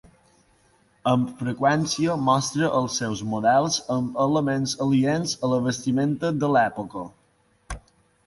Amb freqüència mostra els seus models amb elements aliens a la vestimenta de l'època.